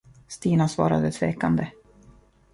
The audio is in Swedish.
Stina svarade tvekande.